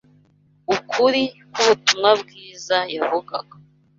ukuri k’ubutumwa bwiza yavugaga